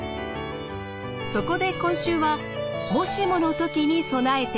そこで今週は「もしもの時に備えて」。